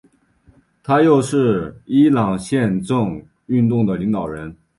他又是伊朗宪政运动的领导人。